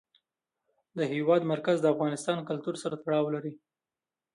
د هېواد مرکز د افغان کلتور سره تړاو لري.